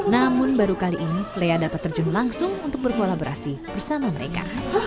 namun baru kali ini lea dapat terjun langsung untuk berkolaborasi bersama mereka